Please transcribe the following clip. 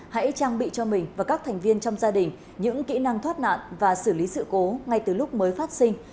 hãy trang bị cho mình và các thành viên trong gia đình những kỹ năng thoát nạn và xử lý sự cố ngay từ lúc mới phát sinh